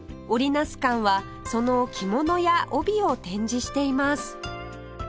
成舘はその着物や帯を展示しています